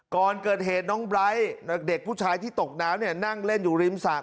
ก่อนเกิดเหตุน้องไบร์ทเด็กผู้ชายที่ตกน้ำนั่งเล่นอยู่ริมสระ